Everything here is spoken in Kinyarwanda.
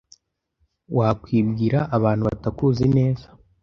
Wakwibwira abantu batakuzi neza?